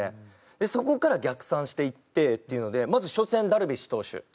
そこから逆算していってっていうのでまず初戦ダルビッシュ投手。